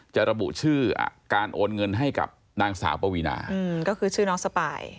ระบุชื่อการโอนเงินให้กับนางสาวปวีนาก็คือชื่อน้องสปาย